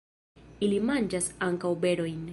Ili manĝas ankaŭ berojn.